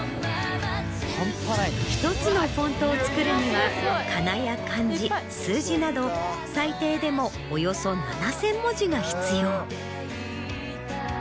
１つのフォントを作るにはかなや漢字数字など最低でもおよそ７０００文字が必要。